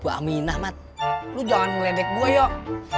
bu aminah lo jangan ngeledek gue yuk